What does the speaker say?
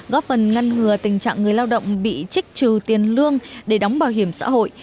góp phần ngăn ngừa tình trạng người lao động bị trích trừ tiền lương để đóng bảo hiểm xã hội